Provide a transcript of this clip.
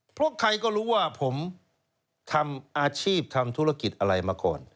เพราะใครก็รู้ว่าผมทำอาชีพทำธุรกิจอะไรมาก่อน